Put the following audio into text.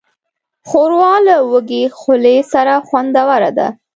ښوروا له وږې خولې سره خوندوره ده.